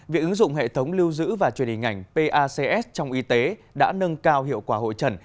việc ứng dụng hệ thống lưu giữ và truyền hình ảnh pacs trong y tế đã nâng cao hiệu quả hội trần